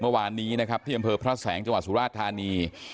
เมื่อวานนี้นะครับที่อำเภอพระแสงจังหวัดสุราชธานี